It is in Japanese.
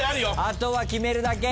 あとは決めるだけ。